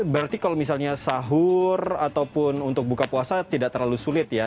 berarti kalau misalnya sahur ataupun untuk buka puasa tidak terlalu sulit ya